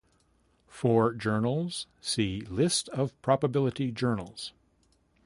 For journals, see list of probability journals.